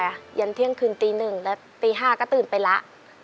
ยันเที่ยงคืนตีหนึ่งแล้วตี๕ก็ตื่นไปแล้ว